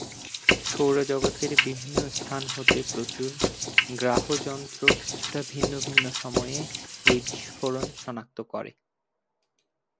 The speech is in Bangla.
সৌরজগৎের বিভিন্ন স্থান হতে প্রচুর গ্রাহ-যন্ত্র কিছুটা ভিন্ন ভিন্ন সময়ে এই বিস্ফোরণ শনাক্ত করে।